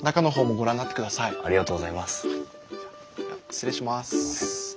失礼します。